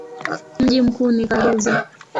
Mji mkuu ni Karuzi.